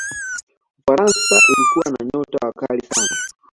ufaransa ilikuwa na nyota wakali sana